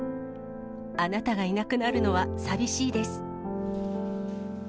あなたがいなくなるのは寂しいです。